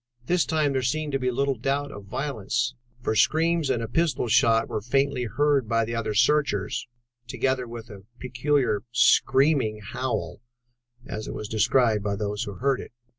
This time there seemed to be little doubt of violence, for screams and a pistol shot were faintly heard by other searchers, together with a peculiar 'screaming howl,' as it was described by those who heard it.